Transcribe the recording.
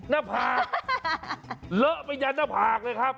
หน้าผากเลอะไปยันหน้าผากเลยครับ